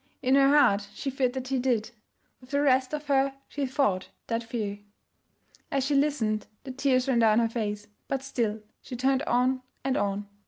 In her heart she feared that he did; with the rest of her she fought that fear. As she listened, the tears ran down her face, but still she turned on and on.